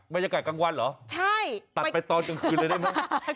บรรยากาศกลางวันเหรอใช่ตัดไปตอนกลางคืนเลยได้ไหม